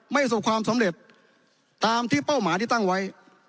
ประสบความสำเร็จตามที่เป้าหมายที่ตั้งไว้